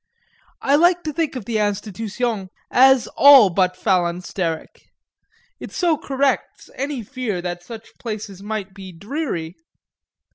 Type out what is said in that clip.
I like to think of the Institution as all but phalansteric it so corrects any fear that such places might be dreary.